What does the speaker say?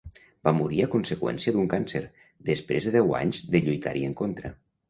Va morir a conseqüència d'un càncer, després de deu anys de lluitar-hi en contra.